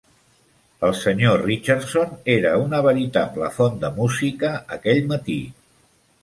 El senyor Richardson era una veritable font de música aquell matí.